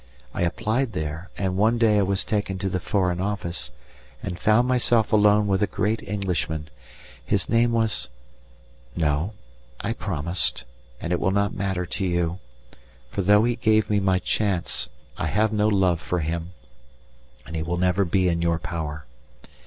I applied there, and one day I was taken to the Foreign Office, and found myself alone with a great Englishman. His name was No, I promised, and it will not matter to you, for though he gave me my chance, I have no love for him, and he will never be in your power.